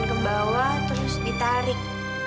ke bawah terus ditarik